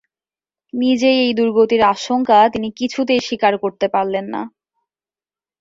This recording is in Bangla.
নিজেই এই দুর্গতির আশঙ্কা তিনি কিছুতেই স্বীকার করতে পারলেন না।